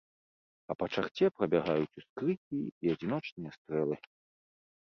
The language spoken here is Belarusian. А па чарце прабягаюць ускрыкі і адзіночныя стрэлы.